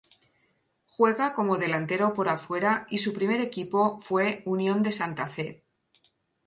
Juega como delantero por afuera y su primer equipo fue Unión de Santa Fe.